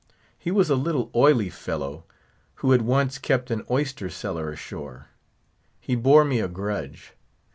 He was a little, oily fellow, who had once kept an oyster cellar ashore; he bore me a grudge.